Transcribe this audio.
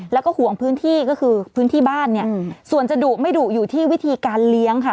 แล้วก็ห่วงพื้นที่ก็คือพื้นที่บ้านเนี่ยส่วนจะดุไม่ดุอยู่ที่วิธีการเลี้ยงค่ะ